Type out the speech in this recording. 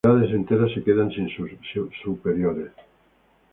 Unidades enteras se quedan sin superiores.